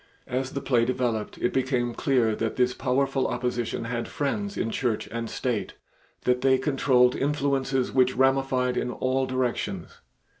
As the play developed, it became clear that this powerful opposition had friends in Church and State, that they controlled influences which ramified in all directions.